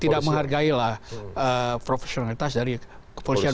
tidak menghargailah profesionalitas dari kepolisian